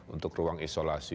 untuk ruang isolasi